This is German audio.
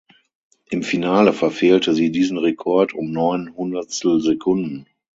Im Finale verfehlte sie diesen Rekord um neun Hundertstelsekunden.